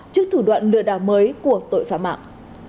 trước thủ đoạn lừa đảo mới của tội phạm mạng